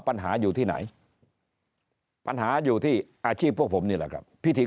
ปัญหาอยู่ที่ไหนปัญหาอยู่ที่อาชีพพวกผมนี่แหละครับพิธี